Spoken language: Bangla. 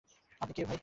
আপনি কে ভাই?